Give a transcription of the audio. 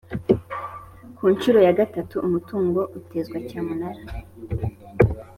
ku nshuro ya gatatu umutungo utezwa cyamunara.